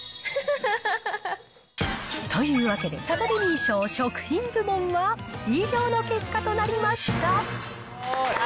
というわけで、サタデミー賞、食品部門は以上の結果となりました。